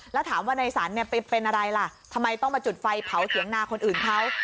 แล้วถามว่าในสรรไปเป็นอะไรล่ะทำไมต้องมาจุดไฟเผาเถียงนาคนอื่นเขา